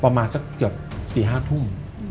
ประมาณสักเกือบ๔๕ทุ่ม